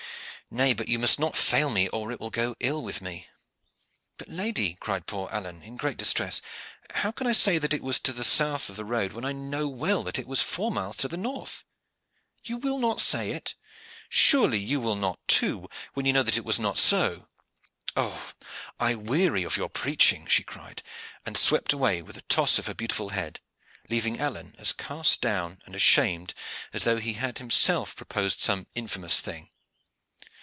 Nay, but you must not fail me, or it will go ill with me." "But, lady," cried poor Alleyne in great distress, "how can I say that it was to the south of the road when I know well that it was four miles to the north." "You will not say it?" "Surely you will not, too, when you know that it is not so?" "Oh, I weary of your preaching!" she cried, and swept away with a toss of her beautiful head, leaving Alleyne as cast down and ashamed as though he had himself proposed some infamous thing.